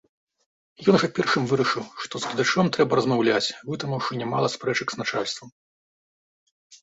Ён жа першым вырашыў, што з гледачом трэба размаўляць, вытрымаўшы нямала спрэчак з начальствам.